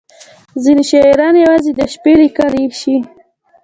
• ځینې شاعران یوازې د شپې لیکلی شي.